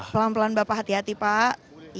pelan pelan bapak hati hati pak